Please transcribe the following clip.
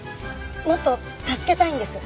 もっと助けたいんです。